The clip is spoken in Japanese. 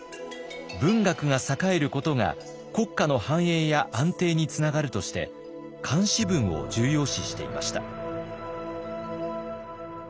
文学が栄えることが国家の繁栄や安定につながるとして漢詩文を重要視していました。